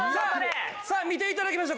さあ見て頂きましょう。